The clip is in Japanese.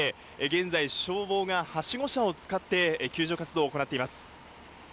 現在、消防がはしご車を使って救助活動を行っています。